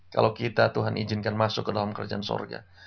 kalau kita tuhan izinkan masuk ke dalam kerjaan sorga